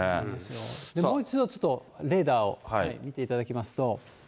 もう一度、ちょっとレーダーを見ていただきますと。